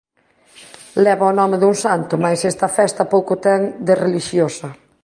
Leva o nome dun santo máis esta festa pouco ten de relixiosa.